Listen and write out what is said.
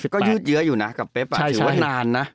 ก็ยืดเยอะอยู่นะกับเป๊บถือว่านานนะ